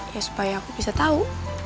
ya supaya aku bisa tahu